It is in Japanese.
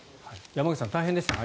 山口さん大変でしたね